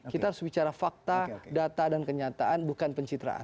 kita harus bicara fakta data dan kenyataan bukan pencitraan